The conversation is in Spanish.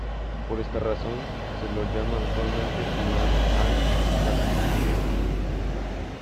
Por esta razón se lo llama usualmente Imán al-Shafi'i.